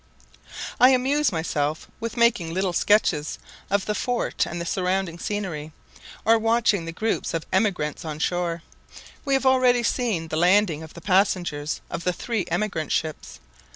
I amuse myself with making little sketches of the fort and the surrounding scenery, or watching the groups of emigrants on shore. We have already seen the landing of the passengers of three emigrant ships.